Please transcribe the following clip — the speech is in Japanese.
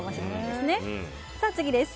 次です。